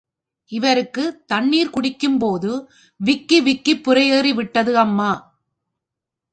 இவருக்குத் தண்ணீர் குடிக்கும் போது விக்கி விக்கிப்புரையேறி விட்டது அம்மா!